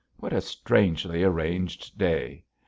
What a strangely arranged day!